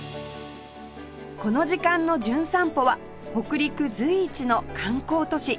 この時間の『じゅん散歩』は北陸随一の観光都市金沢スペシャル！